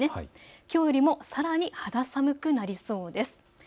きょうよりさらに肌寒くなりそうです。